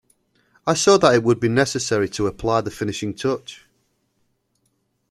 I saw that it would be necessary to apply the finishing touch.